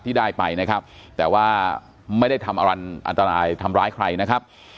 ที่ได้ไปนะครับแต่ว่าไม่ได้ทำอะไรอันตรายทำร้ายใครนะครับ